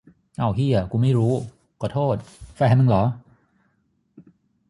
เอ้าเหี้ย กูไม่รู้ ขอโทษ แฟนมึงเหรอ